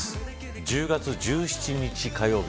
１０月１７日火曜日